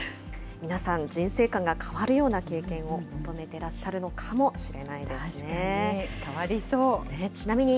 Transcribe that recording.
皆さん、人生観が変わるような経験を求めてらっしゃるのかもしれ確かに。